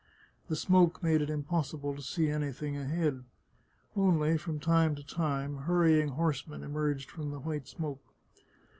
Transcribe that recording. The smoke made it impossible to see anything ahead. Only, from time to time, hurrying horsemen emerged from the white smoke.